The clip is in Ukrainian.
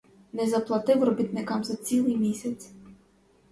Не заплатив робітникам за цілий місяць.